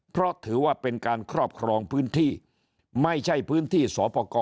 เพราะถือว่าเป็นการครอบครองพื้นที่ไม่ใช่พื้นที่สอปกร